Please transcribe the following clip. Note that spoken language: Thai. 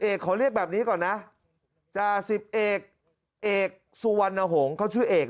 ขอเรียกแบบนี้ก่อนนะจ่าสิบเอกเอกสุวรรณหงษ์เขาชื่อเอก